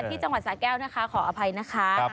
จังหวัดสาแก้วนะคะขออภัยนะคะ